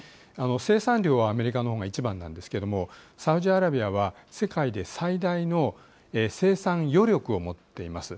生産量はアメリカのほうが一番なんですけれども、サウジアラビアは世界で最大の生産余力を持っています。